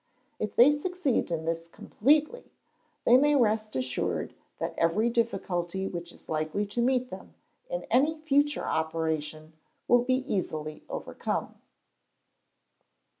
If they succeed in this completely, they may rest assured that every difficulty which is likely to meet them in any future operation will be easily overcome.